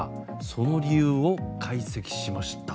その理由を解析しました。